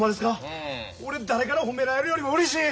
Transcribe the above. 俺誰から褒められるよりもうれしい！